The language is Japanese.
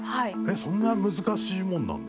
そんな難しいもんなんだ！